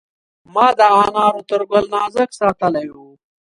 ما د انارو تر ګل نازک ساتلی و.